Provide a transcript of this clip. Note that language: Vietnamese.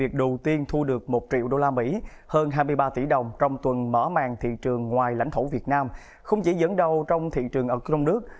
một triệu usd hơn hai mươi ba tỷ đồng trong tuần mở mạng thị trường ngoài lãnh thổ việt nam không chỉ dẫn đầu trong thị trường ở trong nước